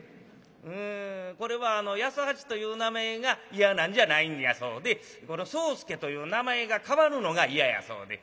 これは八十八という名前が嫌なんじゃないんやそうで宗助という名前が変わるのが嫌やそうで。